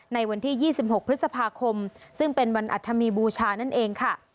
ในวันที่๒๖พฤษภาคมซึ่งเป็นวันอัธมีบูชานั่นเองค่ะ